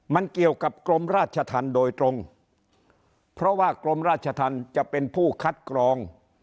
มันเกี่ยวกับกรมราชธรรมโดยตรงเพราะว่ากรมราชธรรมจะเป็นผู้คัดกรอง